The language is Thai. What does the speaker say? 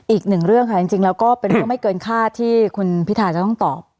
อีกหนึ่งเรื่องค่ะจริงแล้วก็เป็นเรื่องไม่เกินคาดที่คุณพิธาจะต้องตอบ